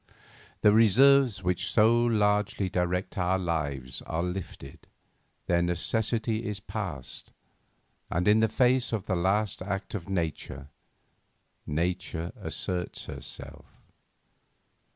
The reserves which so largely direct our lives are lifted, their necessity is past, and in the face of the last act of Nature, Nature asserts herself.